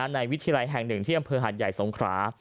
ในวิทยาลัยแห่ง๑เที่ยวเภอหัดใหญ่สงขลา